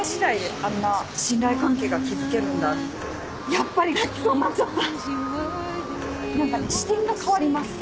やっぱり泣きそうになっちゃった。